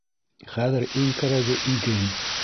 Хәҙер иң кәрәге — иген.